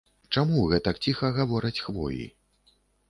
Чаму гэтак ціха гавораць хвоі?